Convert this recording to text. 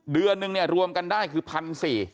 เดือนหนึ่งรวมกันได้คือ๑๔๐๐บาท